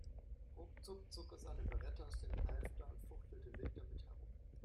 Ruckzuck zog er seine Beretta aus dem Halfter und fuchtelte wild damit herum.